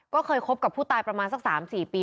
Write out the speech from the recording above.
ก็เคยคบกับผู้ตายประมาณสัก๓๔ปี